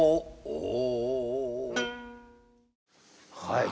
はい。